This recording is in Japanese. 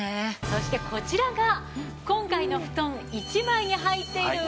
そしてこちらが今回の布団１枚に入っている羽毛です。